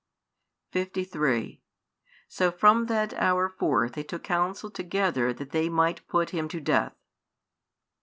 53 So from that hour forth they took counsel together that they might put Him to death.